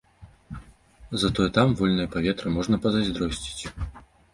Затое там вольнае паветра, можна пазайздросціць.